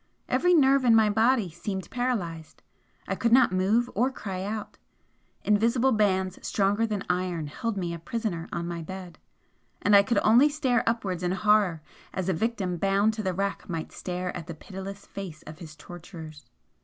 Every nerve in my body seemed paralysed I could not move or cry out, invisible bands stronger than iron held me a prisoner on my bed and I could only stare upwards in horror as a victim bound to the rack might stare at the pitiless faces of his torturers.